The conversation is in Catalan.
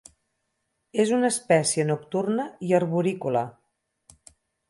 És una espècie nocturna i arborícola.